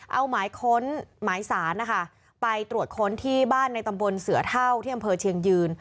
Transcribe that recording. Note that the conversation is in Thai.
เอาหมายค้นหมายสารนะคะไปตรวจค้นที่บ้านในตำบลเสือเท่าที่อำเภอเชียงยืน